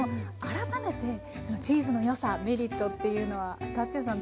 改めてチーズのよさメリットっていうのはＴａｔｓｕｙａさん